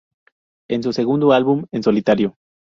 Es su segundo álbum en solitario.